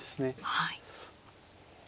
はい。